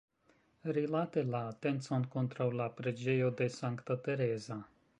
Rilate la atencon kontraŭ la preĝejo de Sankta Tereza.